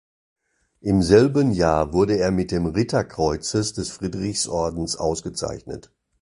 Im selben Jahr wurde er mit dem Ritterkreuzes des Friedrichs-Ordens ausgezeichnet.